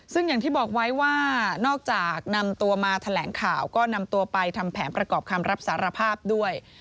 ซึ่งอย่างที่บอกไว้ว่านอกจากนำตัวมาแถลงข่าวก็นำตัวไปทำแผนประกอบคำรับสารภาพด้วย